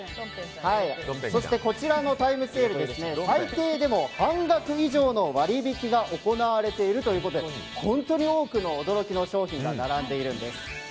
そして、こちらのタイムセール最低でも半額以上の割引が行われているということで本当に多くの驚きの商品が並んでいるんです。